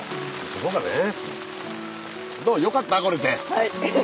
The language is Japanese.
はい。